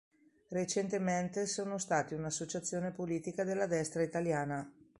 Recentemente sono stati un'associazione politica della destra italiana.